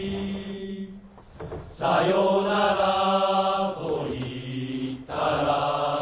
さよならと云ったら